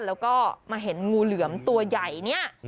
แล้วก็มาเห็นงูเหลือมตัวใหญ่เนี่ย